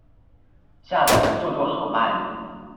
下載的速度好慢